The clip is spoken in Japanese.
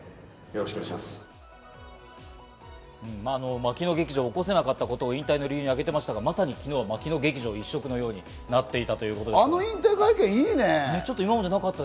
槙野劇場を起こせなかったことを引退理由に挙げていましたが、まさに昨日、槙野劇場一色のようになっていました。